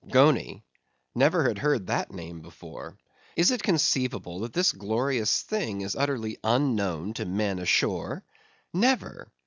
Goney! never had heard that name before; is it conceivable that this glorious thing is utterly unknown to men ashore! never!